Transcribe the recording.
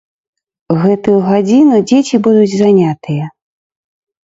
Гэтую гадзіну дзеці будуць занятыя.